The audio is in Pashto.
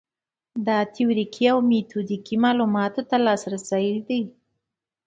دا تیوریکي او میتودیکي معلوماتو ته لاسرسی دی.